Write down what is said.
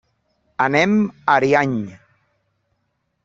Anem a Ariany.